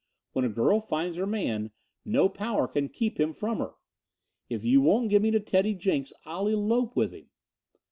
"When a girl finds her man, no power can keep him from her. If you won't give me to Teddy Jenks, I'll elope with him."